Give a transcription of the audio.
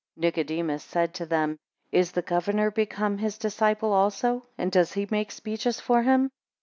9 Nicodemus said to them, Is the governor become his disciple also, and does he make speeches for him?